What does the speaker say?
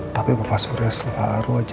tapi bapak surya selalu aja